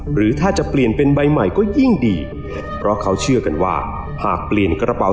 หรือถ้าจะเปลี่ยนเป็นใบใหม่ก็ยิ่งดี